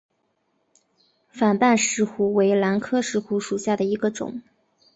反瓣石斛为兰科石斛属下的一个种。